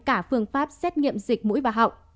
cả phương pháp xét nghiệm dịch mũi và họng